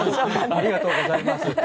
ありがとうございます。